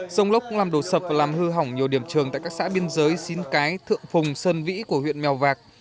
rông lốc cũng làm đổ sập và làm hư hỏng nhiều điểm trường tại các xã biên giới xín cái thượng phùng sơn vĩ của huyện mèo vạc